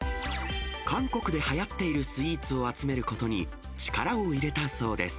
韓国ではやっているスイーツを集めることに力を入れたそうです。